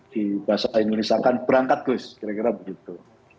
di bahasa indonesia kan berangkat gus kira kira begitu